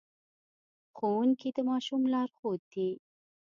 ښوونکي د ماشوم لارښود دي.